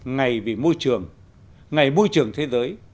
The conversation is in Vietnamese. ngày vì môi trường ngày môi trường thế giới